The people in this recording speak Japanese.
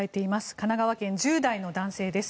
神奈川県１０代の男性です。